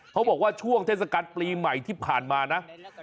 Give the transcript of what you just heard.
เขาบอกว่าช่วงเทศกาลปีใหม่ที่ผ่านมานะ